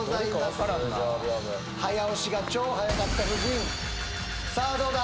通常屏風早押しが超早かった夫人さあどうだ？